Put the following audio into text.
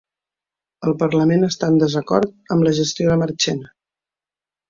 El parlament està en desacord amb la gestió de Marchena